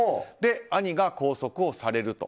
兄が拘束をされると。